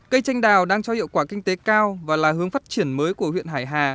cây tranh đào đang cho hiệu quả kinh tế cao và là hướng phát triển mới của huyện hải hà